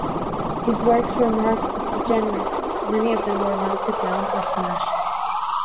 His works were marked degenerate, many of them were melted down or smashed.